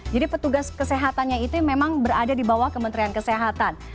jadi petugas kesehatannya itu memang berada di bawah kementerian kesehatan